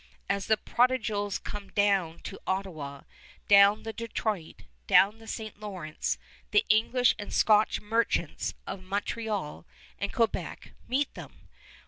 As the prodigals come down the Ottawa, down the Detroit, down the St. Lawrence, the English and Scotch merchants of Montreal and Quebec meet them.